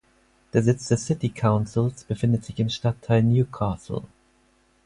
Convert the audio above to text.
Der Sitz des City Councils befindet sich im Stadtteil Newcastle.